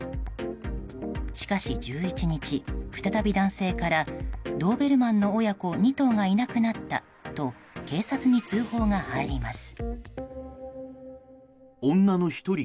しかし１１日、再び男性からドーベルマンの親子２頭がいなくなったと警察に通報が入ります。